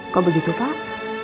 kok begitu pak